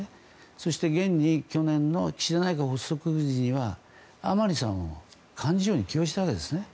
そして現に去年の岸田内閣発足時には甘利さんを幹事長に起用したわけですね。